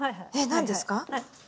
何ですか？